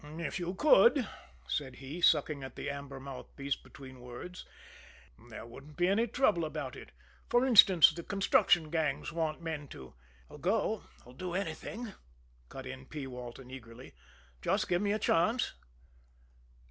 "If you could," said he, sucking at the amber mouthpiece between words, "there wouldn't be any trouble about it. For instance, the construction gangs want men to " "I'll go I'll do anything," cut in P. Walton eagerly. "Just give me a chance."